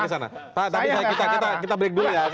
saya tidak sarah